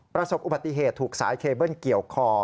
ประสบอุบัติเหตุถูกสายเคเบิ้ลเกี่ยวคอ